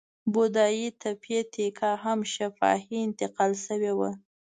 بودایي تیپي تیکا هم شفاهي انتقال شوې وه.